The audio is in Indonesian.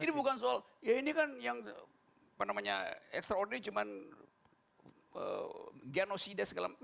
ini bukan soal ya ini kan yang apa namanya extraordinary cuma genosida segala macam